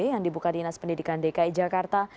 yang dibuka di inas pendidikan dki jakarta